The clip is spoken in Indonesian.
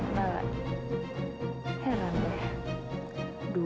malah heran deh